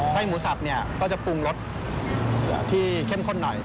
ไส้หมูสับเนี่ยก็จะปรุงรสที่เข้มข้นหน่อย